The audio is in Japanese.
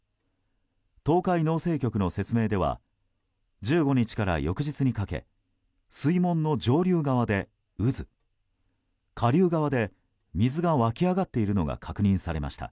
東海農政局の説明では１５日から翌日にかけ水門の上流側で渦、下流側で水が湧き上がっているのが確認されました。